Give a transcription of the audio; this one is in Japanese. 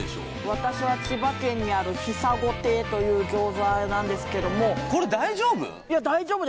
私は千葉県にあるひさご亭という餃子なんですけどもこれ大丈夫？